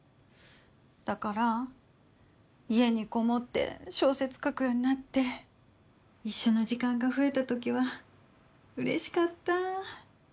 だから家にこもって小説書くようになって一緒の時間が増えたときはうれしかった。